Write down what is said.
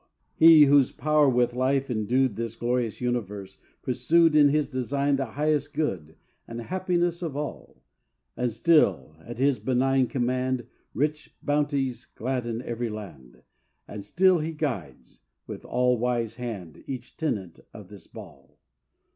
He, whose power with life endued This glorious universe, pursued In His design the highest good And happiness of all; And still, at His benign command, Rich bounties gladden ev'ry land, And still He guides, with all wise hand Each tenant of this ball.